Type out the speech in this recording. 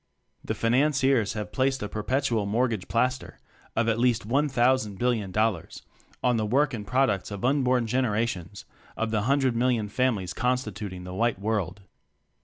The "Financiers" have placed a per petual mortgage plaster of at least one thousand billion dollars ($1,000,000, 000,000) on the work and products of unborn generations of the hundred million families constituting the "White World."